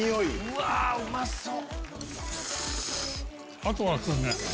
うわうまそう！